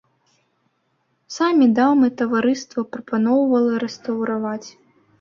Самі дамы таварыства прапаноўвала рэстаўраваць.